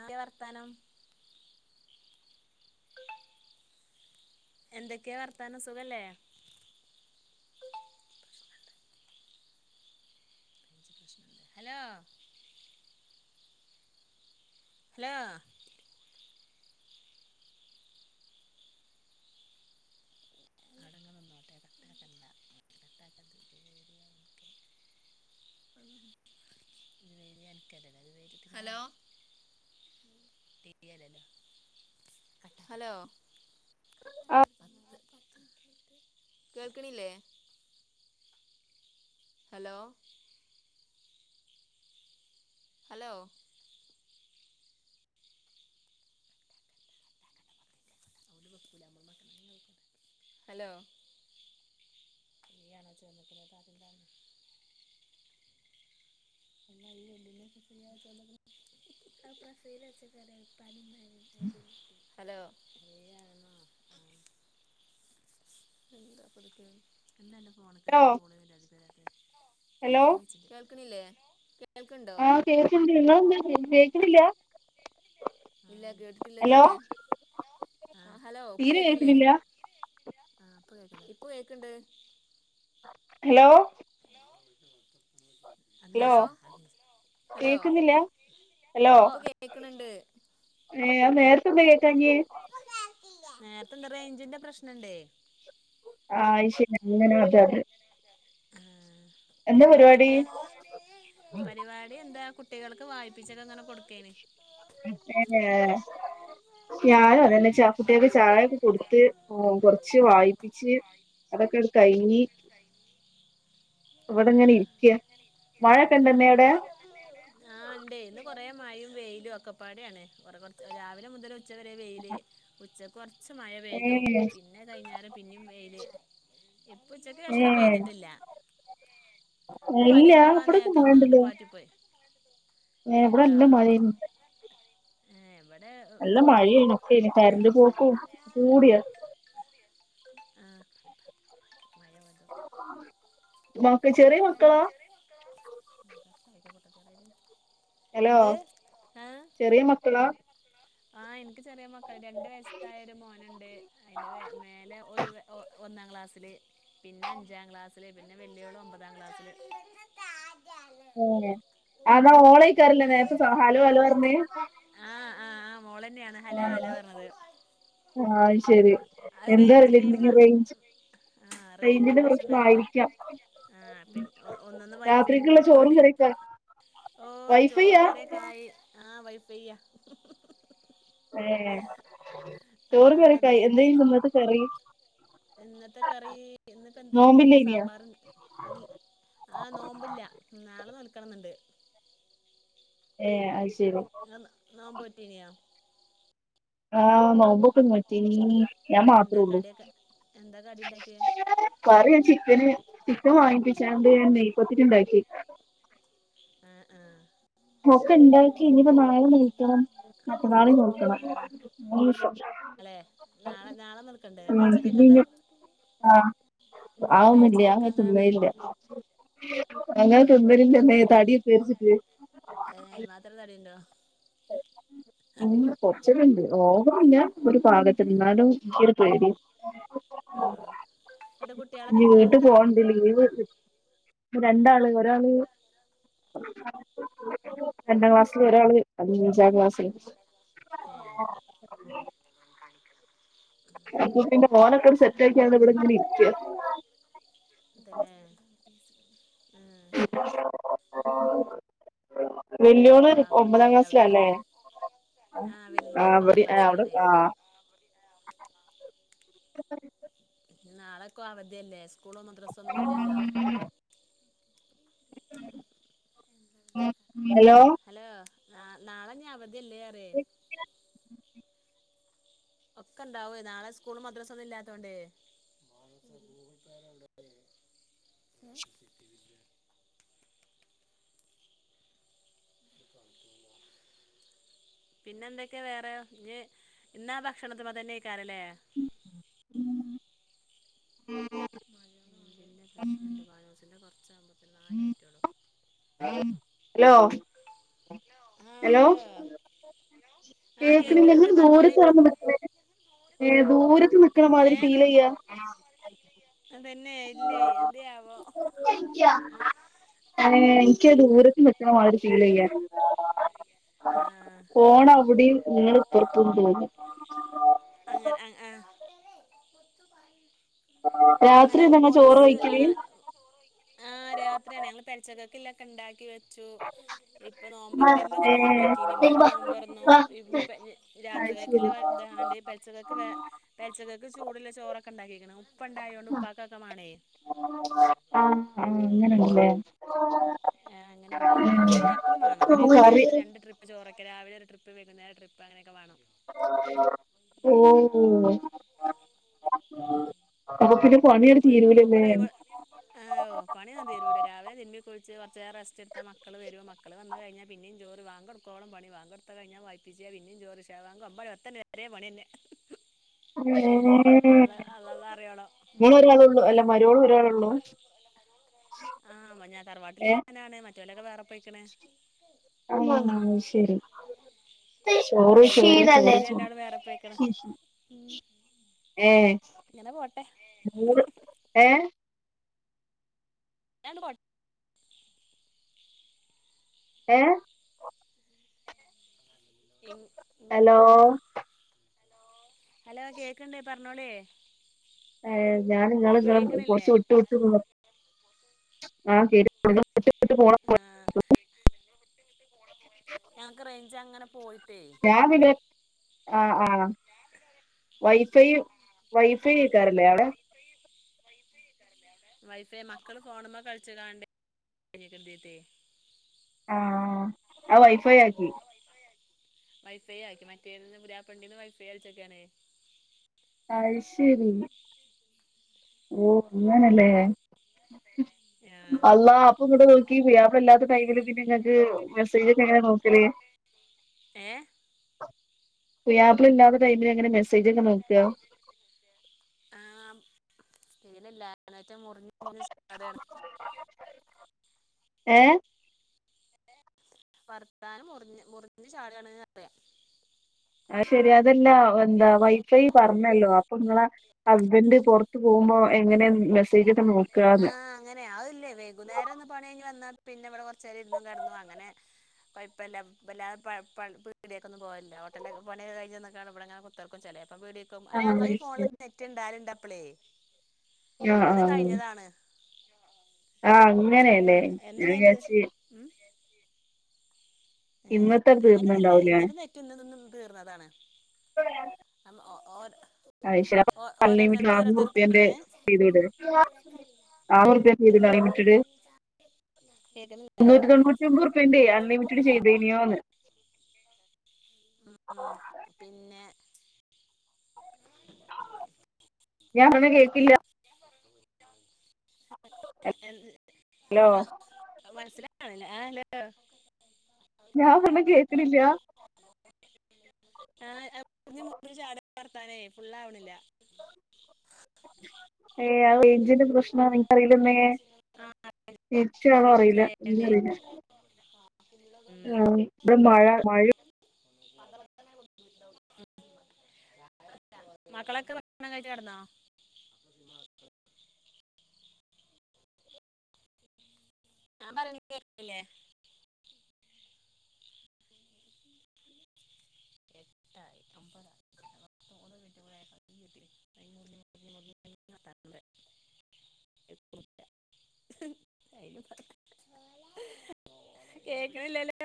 ആയവർത്താനം എന്തൊക്കെ വർത്താനം, സുഖല്ലേ? Range hello hello [inaudible] hello hello ആ കേൽക്ണില്ലേ? Hello hello hello [inaudible] [inaudible] hello [inaudible] [inaudible] hello കേൾക്ണില്ലേ? ആഹ് കേക്ണ്ട് ങ്ങളെന്ത കേക്ണില്ലാ? ഇല്ല കേട്ടിട്ടില്ലതുവെരെ ആഹ് ഹലോ പ്പ് തീരെ കേക്കില്ലേ? കേൾക്ക്ണില്ല ആഹ് ഇപ്പൊ കേക്ണ്ട് ഹലോ ഹലോ ഹലോ കേൾക്കുന്നില്ല ഹലോ ഇപ്പൊ കേക്കണണ്ട് ഏ നേരത്തെന്താ കേക്കാഞ്ഞെ നേരത്തെ എന്താ റേഞ്ചിന്റെ പ്രശ്ന ഇണ്ടേ ആഹ ഷയ അങ്ങനെ അത ആ പിന്നെ എന്തൊക്കെയ പരിപാടി എന്താ കുട്ടികൾ വായി്പിച്ചൊക്കഅങ്ങെ കൊടു ഇപ്പോഴോ ഞാനും അതന്നെ ച കുട്ടിയൊക്കെ ചായൊക്കെ കൊടുത്ത് കൊറച്ച് വായിപ്പിച്ച് അതൊക്കെഅങ്ങട്ട് കഴഞ്ഞി ഇവിടെങ്ങനെ ആ ഇരിക്ക മഴൊക്കെ എണ്ടെന്നെ അവിടെ ആ ഉണ്ടേ ഇന്ന് കുറേ മഴയും വെയിലും അക്കപ്പാടെ ആാണ് കുറ കുറച്ച് രാവിലെ മുതല് ഉച്ച വരെ വെയില് ഉച്ച കൊറച്ച് മഴ ഏ പെയ്തു പിന്നെ കൈഞ്ഞേരം പിന്നും വെയില് ഇപ്പൊ ഉച്ചക്ക് ഏ ശേഷംന്ന ഇന്ന് പെയ്തിട്ടില്ല അപ്പ ഇല്ല മരിപ അവ ഇവിടൊക്കെ നേരത്തെ ഒന്നും ഇങ്ങോട്ട് പാറ്റിപ്പോയി എവിടെ ഇല്ല മഴ ഇണ്ട് ഉം നല്ല മഴയായിന് ഇപ്പോ ഇനി കരണ്ട് പോക്കും കൂടിയാ ആ ബ ചെറിയ മക്കളാ [unintelligible] ഹലോ ചെറിയ മക്കളാ ആ എനിക്ക് ചെറിയ മക്കൾ രണ്ട് വയസ്സായ ഒരു മോനുണ്ട് അതിന്റെ മേലെ ഒരു വെ ഒന്നാം ക്ലാസ്സില് പിന്നെ അഞ്ചാം ക്ലാസ്സില് പിന്നെ വെല്ലിയോള് ഒമ്പത് ക്ലാസ്സില് [unintelligible] ഓളായിരിക്കുമല്ലേ നേരത്തെ ഹലോ ഹലോ പറഞ്ഞത് മോള് തന്നെ ആണ് ഹലോ ഹലോ പറഞ്ഞത് അത് റേഞ്ചില് എന്താന്നറിയില്ല ഈ റേഞ്ച് റേഞ്ചിന്റെ പ്രശ്നം ആയിരിക്കാം ആ പിന്നെ ഒന്നൊന്ന് വൈഫൈയും കൂടെ എടുത്ത ചോറും കൊണ്ടേ കറിയൊക്കെ ഓ ചോറും വൈഫൈയാ കറിയൊക്കെ ആയി ആ വൈഫിയാ ഏ ചോറും കറിയുമൊക്കെ അതാണത് ആയി എന്തായിരുന്നു ഇന്നത്തെ കറി ഇന്നത്തെ കറി ഇന്നിപ്പോ എന്തായിന് നോമ്പില്ലേനിയോ സാമ്പാറും അവി ആ നോമ്പില്ല നാളെ നോൽക്കണം എന്നുണ്ട് ഏ അ നിങ്ങ നോമ്പ് നോറ്റീനിയാ ആ നോമ്പൊക്കെ നോറ്റീനി ഞാൻ ഇന്ന് മാത്രേ എന്താ ഉള്ളൂ കടിയൊക്കെ എന്താ കടി ഇണ്ടാക്കിയേ കറി ചിക്കന് [unintelligible] വാങ്ങിപ്പിച്ചാണ്ട് ഞാൻ നെയ്യ് പത്തിരി ഉണ്ടാക്കി ആ ആ ഒക്കെ ഇണ്ടാക്കി ഇനിപ്പോ പി നാളെ നോറ്റണം മറ്റന്നാളും ആ നോറ്റണം മൂന്ന് ദിവസം അല്ലെ നാളെ നാളെ നോൽക്കണ്ടേ ഉം അപ്പൊ ഉച്ചക്കത്തെ എന്താ പിന്നെഞ്ഞ് ആവുന്നില്ല പെൽച്ചക്കൊക്കെ എന്താ ഏ പെ [unintelligible] [unintelligible] ഏ മാത്രം തടയണ്ടോ ഇങ്ങ പച്ചരിയുണ്ട് ഓവറില്ല ഒരു ഭാഗത്ത് ഏ നിന്നാലും എനിക്കൊരു പേടി ഓ എന്നിട്ട് കുട്ടികളൊക്കെ ഇനി എത്ര വീട്ടിൽ ആളുണ്ട് പോവണ്ട് ലീവ് കി രണ്ടാള് ഒരാള് രണ്ടാം ക്ലാസില് ഒരാള് അഞ്ചാം ക്ലാസ്സില് ഏ [unintelligible] സെറ്റ് ആക്കിയാണ് ഇവിടിങ്ങനെ ഇരിക്കുക പിന്നെ ആ വല്യോള് ബാങ്ക് ഒമ്പതാം കൊടുക്കണ്ടല്ലേ ക്ലാസ്സിലാ അവിടെയും അല്ലേ ഇവിടെയും ആ വലുത് ആ ഒമ്പതാം അവിടെ ആ അവിടെ ക്ലാസ്സിലാണേ ആ പിന്നെ നാളെയൊക്കെ അവധിയല്ലേ സ്കൂളോ മദ്രസോ ഒന്നും ഇല്ലല്ലോ ഹലോ ആ നാളെ ഇനി അവധി അല്ലേന്ന് പറയെ ഒക്കെ ഇണ്ടാവെ നാളെ സ്കൂളും മദ്രസൊന്നും ഇല്ലാത്തോണ്ടെ ഉ പിന്നെ എന്തൊക്കെയാ വേറെ ഇ ഇന്നാ ഭക്ഷണത്തിൻമേ തന്നെ നിക്കാനല്ലേ അല്ലേ മഴ മഴന്റെ പ്രശ്നമുണ്ട് [unintelligible] നാലായിട്ടുള്ളൂ ഹലോ ഹലോ ആഹ് കേക്കണില്ല നീ കേക്ക്ണ്ണ്ട് പറഞ്ഞോളി ദൂരത്ത് വന്ന് നിൽക്കണേ ഏ ദൂരത്ത് നിക്കണ മാതിരി ഫീൽ ചെയ്യാ തന്നെ ഇല്ലേ എന്തയാവോ അ എനിക്ക് ദൂരത്തി വറ്റണ മാരി ഫീൽ ചെയ്യ ആഹ് പോണം അവിടെയും നിങ്ങൾ ഇപ്പറത്തന്ന് പോന്ന അങ്ങെ ആ ആഹ രാത്രിൾങ്ങ ചോറ് കഴിക്കൽ അങ്ങനെ ആഹ് രാത്രിയാണ് ഞങ്ങൾ പൽച്ചക്കക്കിലൊക്കെ ഉണ്ടാക്കി വെച്ചു ഇപ്പൊ നോമ്പോ അത് ഇമ്മൊക്കെ നോമ്പോറ്റീ ഇമ്മയൊക്കെ നോമ്പോന്നു ഇ രാത്രികൊക്ക ആ പെൽച്ചകൾക്ക് വേച്ചകൾക്ക് ചൂടുള്ള ചോറൊക്കെ ഉണ്ടാക്കിരിക്കണം ഉപ്പണ്ടായോണ്ട് ഉപ്പാക്കക്കമാണേ അങ്ങനെല്ലേ ആഹ് അങ്ങനെ ഉണ്ട് ഒക്കെ വ എപ്പഴും വേണം അപ്പൊ കറി വൈകുന്നേരത്തെ രണ്ട് ട്രിപ്പ് ചോറ് ഒക്കെ രാവിലെ ട്രിപ്പ് വൈകുന്നേരം ട്രിപ്പിൾ അങ്ങനൊക്ക വേണം ഓ അപ്പൊ പിന്നെ പണി തീരൂലല്ലേ ഓഹ് പണി ഒന്നും തിരൂല രാവിലെ തിരുമി കുളിച്ച് കുറച്ച് നേരം റെസ്റ്റ് എടുത്തൽ മക്കള് വരും മക്കള് വന്ന കഴിഞ്ഞാ പിന്നെയും ജോ ലി വാങ്ക് കൊടുക്കോള പണി കൊടുത്ത് കഴിഞ്ഞാ വായിപ്പിച്ച പിന്നേം ഇഷ വാങ്ക് എത്ത വരെേ പണി തന്നെ ഏഹ് അറിയോളം നിങ്ങൾ ഒരാളെ ഉള്ളൂ അല്ല മരുമോൾ ഒരാളെള്ളൂ ആഹ് ഞാൻ തറവാട്ടില് ഞാനാണ് മറ്റവരോക്കെ വേറെ പോയിക്കണ്‌ അയ്ശരി ചോറ് വല്യ വല്യോല് കഴിച്ചോ രണ്ടാളും വേറെ പോയിക്ക്ണ് ഏഹ് ഇങ്ങനെ പോട്ടെ ഏ ഇങ്ങനെ പോട്ടെ ഏഹ് ഇങ് ഇങ്ങ ഹലോ ആര്ത് ഹലോ കേക്ക്ണ്ട് പറഞ്ഞോളി ആഹ് ഞാൻ ഇങ്ങളെ കേക്ക്ണില്ലേ കൊറച്ച് വിട്ട് വിട്ട് ആഹ് കേ ട്ട് വിട്ട് പോണ പോലെ ആഹ് തോന്നി ഞങ്ങക്ക് റേഞ്ച് അങ്ങനെ പോയിട്ടേ പിന്നെ വൈ ഫൈ വൈഫൈ കേക്കാറില്ലേ അവിടെ വൈഫൈ മക്കള് ഫോണ്മെ കളിച്ചകണ്ട് ആഹ് അത് വൈഫൈ ആക്കി വൈഫൈ ആക്കി മറ്റേ നിന്ന് പുരാപ്പണ്ടിന്ന് വൈഫൈ വലിച്ചെക്കാണ് അയ് ശരി ഓഹ് അങ്ങനല്ലേ ആഹ് അല്ലാ അപ്പൊ ഇവിടെ നോക്കി പുയ്യാപ്ല ഇല്ലാത്ത ടൈമില് പിന്നെ ഇങ്ങക്ക് മെസ്സേജ് ഒക്കെ എങ്ങനെ നോക്കല് ഏഹ് പുയ്യാപ്ല ഇല്ലാത്ത ടൈമിന എങ്ങനെ മെസ്സേജ് സ്സേജ് ഒക്കെ നോക്ക ഒന്നും കേൾക്കുന്നില്ല ഏഹ് വർത്താനം മുറിഞ്ഞ് മുറിഞ്ഞ് ചാടണ് പറയാണ് അയ് ശരി അതെല്ല എന്താ വൈഫൈ പറഞ്ഞല്ലോ അപ്പൊ നിങ്ങള ഹസ്ബൻഡ് പുറത്ത് പോകുമ്പോ എങ്ങനെ മെസ്സേജക്കെ നോക്ക നോക്കാന്ന് ആഹ് അങ്ങനെ അതില്ലേ വൈകുന്നേരം ഒന്ന് പണി കഴ്ഞ്ഞ് വന്നാൽ പിന്നെ ഇവിടെ കൊറച്ച് നേരം ഇരുന്നും കിടന്നും അങ്ങനെ പൈപ്പല്ല വല്ലാത പ പീടിയൊക്കൊന്നു പോവലില്ല ഹോട്ടല പണി കഴിഞ്ഞന്നുക്കാണ് ഇവിടെങ്ങനെ കുത്തർക്കും ക്കും ചിലയപ്പം പീടക്കും അ ആ ഞങ്ങൾ അത് ഈ ശരി ഫോണിലൊന്നും നെറ്റ് ഉണ്ടാലുണ്ട് അപ്പളേ ഇന്ന് കഴിഞ്ഞതാണ് ആഹ് അങ്ങനെയല്ലേ ഫോണിലന്നെ ഞാൻ എന്നും അയിന്റെ വിചാരിച് ഉം ഏഹ് ഇന്നത്തെ അങ്ങനെയൊന്നുല്ല തീർന്നുണ്ടാവുലേ ഇന്നത്തെ നെറ്റ് ഇന്ന് ഇന്ന് തീർന്നതാണ് നമ്മ ഓ ഓൻ അയ്ശേരി അപ്പോ അൺലിമിറ്റഡ് റുപ്പിയാന്റെ ഏഹ് ചെയ്ത് ഇട് [unintelligible] ചെയ്ത് ഇട് അൺലിമിറ്റഡ് കേക്കുന്നില്ല മുന്നൂറ്റിതോന്നുറ്റിഒമ്പത് റുപ്പിയന്റെ അൺലിമിഡ് ചെയ്തി തിനിയൊന്ന് ഉം പിന്നെ ഞാൻ ഒന്നു കേട്ടില്ല എന്ത് ഹലോ ഇബിടാ മനസില [unintelligible] ഞാൻ പറഞ്ഞ കേക്കണില്ല ആഞ്ഞഞ് മ ചാട വത്താനേ ഫുുള്ള ആാവണില്ല ഏ അത് ജന്റ് പ്രശ്ന നിനിക്കറിയിലന്ന ആ രിച്ച ആണോ റേഞ്ച് അറിയില്ല ആയണ്ടേ എറില്ല ആ ഇടെ മഴ മഴ മത അ [unintelligible] മക്കളൊക്കെ ഭക്ഷണം കഴിച് കിടന്നോ അ [unintelligible] ഹ പറയ കേല്ലേ എട്ടായി അ തി താ അ [unintelligible] [unintelligible] കേക്കണില്ലല്ല